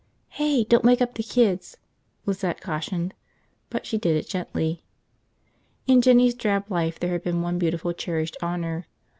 "Hey, don't wake up the kids," Lizette cautioned, but she did it gently. In Jinny's drab life there had been one beautiful, cherished honor.